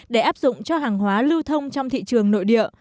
để áp dụng cho hàng hóa lưu thông trong thị trường nội địa